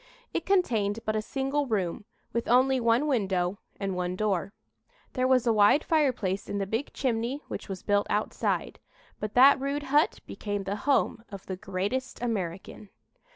It contained but a single room, with only one window and one door. There was a wide fireplace in the big chimney which was built outside. But that rude hut became the home of "the greatest American."